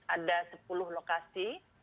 ada sepuluh lokasi